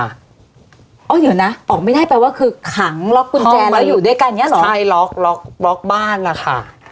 เดี๋ยวนะออกไม่ได้แปลว่าคือขังล็อกกุญแจแล้วอยู่ด้วยกันอย่างเงี้เหรอใช่ล็อกล็อกบ้านล่ะค่ะ